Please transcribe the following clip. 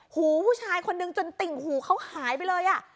หูผู้ชายคนนึงจนติ่งหูเขาหายไปเลย